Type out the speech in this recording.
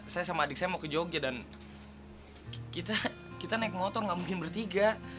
saya sama adik saya mau ke jogja dan kita naik motor nggak mungkin bertiga